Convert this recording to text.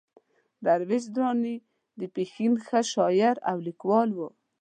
درویش درانی د پښين ښه شاعر او ليکوال دئ.